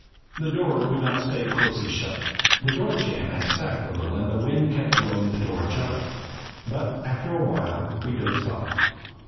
The door would not stay closely shut the door jamb had sagged a little and the wind kept blowing the door ajar. But after a while we dozed off.